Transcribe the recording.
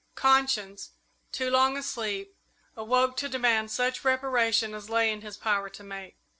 Conscience, too long asleep, awoke to demand such reparation as lay in his power to make.